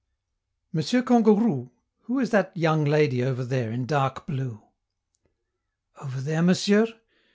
"Monsieur Kangourou, who is that young lady over there, in dark blue?" "Over there, Monsieur?